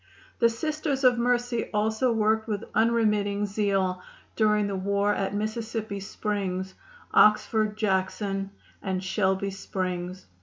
The Sisters of Mercy also worked with unremitting zeal during the war at Mississippi Springs, Oxford, Jackson and Shelby Springs.